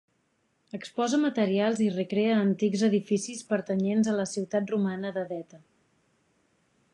Exposa materials i recrea antics edificis pertanyents a la ciutat romana d'Edeta.